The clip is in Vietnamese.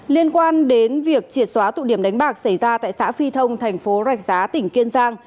liên quan đến việc triệt xóa tụ điểm đánh bạc xảy ra tại xã phi thông thành phố rạch giá tỉnh kiên giang